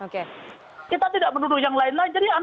kita tidak menuduh yang lain lain